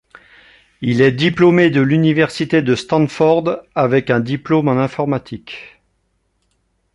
Il est diplômé de l'Université de Stanford avec un diplôme en informatique.